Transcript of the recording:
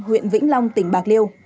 huyện vĩnh long tỉnh bạc liêu